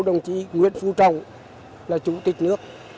đồng chí nguyễn phú trọng là chủ tịch nước